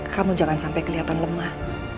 kamu jangan sampai kelihatan lemah